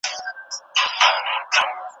زموږ له کلیو بار کړې پسرلیو نیمه خوا کډي